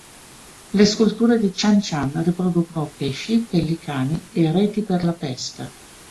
Le sculture di Chan Chan riproducono pesci, pellicani e reti per la pesca.